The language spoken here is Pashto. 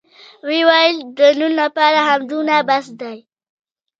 ويې ويل د نن دپاره همدومره بس دى.